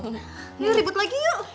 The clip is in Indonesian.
yuk ribet lagi yuk